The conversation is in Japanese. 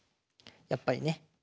やっぱりね